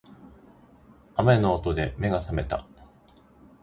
雨の音で目が覚めた